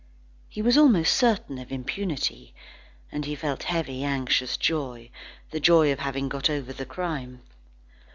He was almost certain of impunity, and he felt heavy, anxious joy, the joy of having got over the crime.